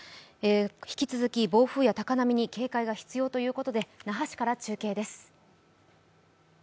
引き続き暴風や高波に注意が必要ということで那覇市から中継です。